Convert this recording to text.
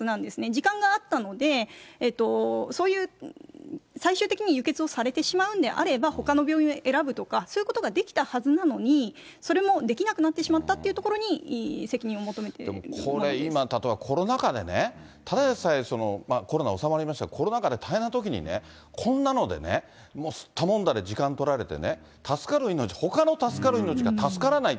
時間があったので、そういう最終的に輸血をされてしまうんであれば、ほかの病院を選ぶとか、そういうことができたはずなのに、それもできなくなってしまったというところに、これ、今例えば、コロナ禍でね、ただでさえ、コロナ収まりましたが、コロナ禍で大変なときにね、こんなのでね、頼んで時間取られてね、助かる命、ほかの助かる命が助からない。